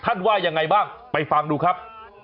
ว่ายังไงบ้างไปฟังดูครับ